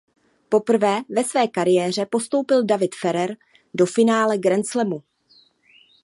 Poprvé ve své kariéře postoupil David Ferrer do finále grandslamu..